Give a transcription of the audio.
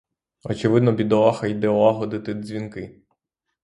Очевидно, бідолаха йде лагодити дзвінки.